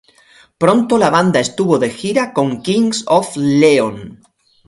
Pronto la banda estuvo de gira con Kings of Leon.